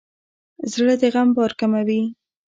زړه د غم بار کموي.